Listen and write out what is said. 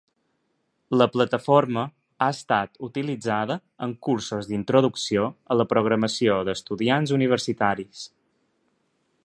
La plataforma ha estat utilitzada en cursos d'introducció a la programació d'estudiants universitaris.